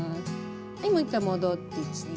はいもう一回戻ってきていくよ。